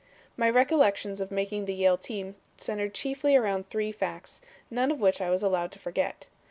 "My recollections of making the Yale team centered chiefly around three facts, none of which I was allowed to forget.